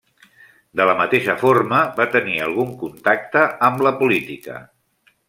De la mateixa forma va tenir algun contacte amb la política.